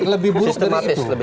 lebih buruk dari itu